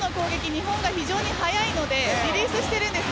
日本が非常に速いのでリリースしているんです。